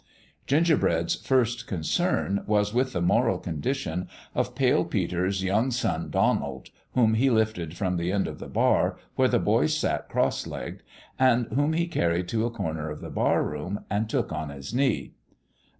Gingerbread's first concern was with the moral condition of Pale Peter's young son, Donald, whom he lifted from the end of the bar, where the boy sat cross legged, and whom he carried to a corner of the barroom, and took on his knee.